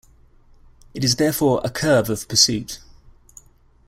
It is therefore a curve of pursuit.